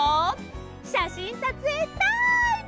しゃしんさつえいタイム！